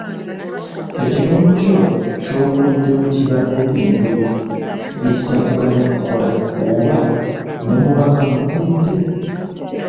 Ekitundu kyo ky'okuliddemu kiba n'ebintu bye kitakuganya kukola oba ne mu maka mw'okulidde.